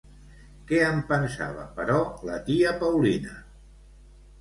Què en pensava, però, la tia Paulina?